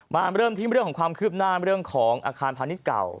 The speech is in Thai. มาเริ่มที่เรื่องของความคืบหน้าเรื่องของอาคารพาณิชย์เก่า